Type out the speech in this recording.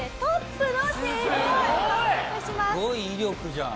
すごい威力じゃん